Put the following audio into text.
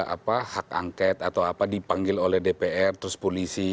apa hak angket atau apa dipanggil oleh dpr terus polisi